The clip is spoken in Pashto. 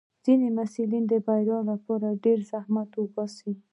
ځینې محصلین د بریا لپاره ډېر زحمت باسي.